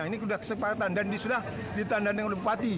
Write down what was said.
ini sudah kesepakatan dan sudah ditandatangani oleh bupati